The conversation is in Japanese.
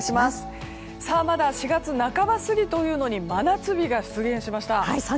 まだ４月半ば過ぎというのに真夏日が出現しました。